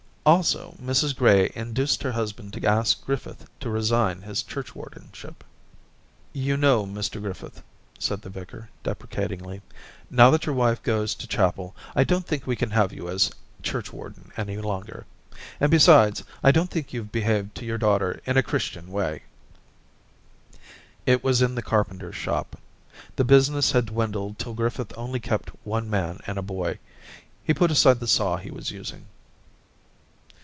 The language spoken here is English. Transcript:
Also Mrs Gray induced her husband to ask Griffith to resign his churchwardenship. *You know, Mr Griffith,' said the vicar, deprecatingly, 'now that your wife goes to Daisy 265 chapel I don't think we can have you as churchwarden any longer ; and besides, I don't think youVe behaved to your daughter in a Christian way/ It was in the carpenter's shop ; the business had dwindled till Griffith only kept one man and a boy ; he put aside the saw he was using.